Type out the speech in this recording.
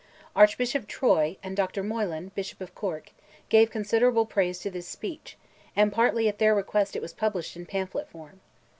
Archbishop Troy, and Dr. Moylan, Bishop of Cork, gave considerable praise to this speech, and partly at their request it was published in pamphlet form.